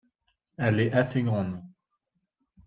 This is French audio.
elle est assez grande.